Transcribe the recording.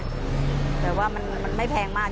แต่ว่ามันไม่แพงมาก